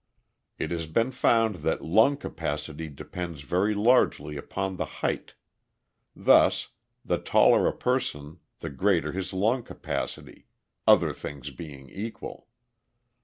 It has been found that lung capacity depends very largely upon the height; thus, the taller a person the greater his lung capacity, other things being equal.